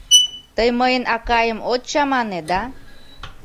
Тый мыйын акайым от чамане, да?